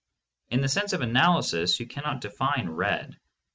In the sense of analysis you cannot define "red."